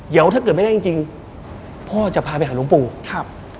เดี๋ยวถ้าเกิดไม่ได้จริงจริงพ่อจะพาไปหาหลวงปู่ครับ